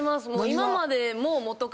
今までも。